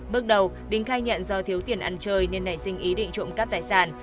bước đầu đình khai nhận do thiếu tiền ăn chơi nên này sinh ý định trộm cắp tài sản